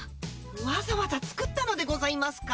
わざわざ作ったのでございますか？